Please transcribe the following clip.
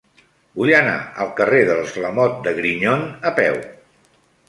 Vull anar al carrer dels Lamote de Grignon a peu.